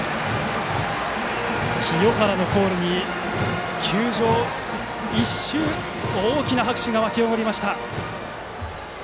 清原のコールに球場一瞬大きな拍手が沸き起こりました。